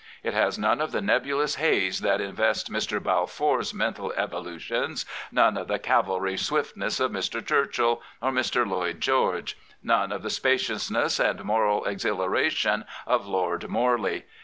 It has none of the nebulous haze that invests Mr. Balfour's mental evolutions, none of the cavalry swiftness of Mr. Churchill or Mr. Lloyd George, none of the spaciousness and moral exhilaration of Lord Morley.